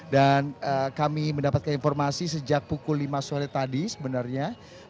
dan kami mendapatkan informasi sejak pukul lima sore tadi sebenarnya